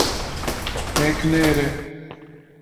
ہک نہر ہے۔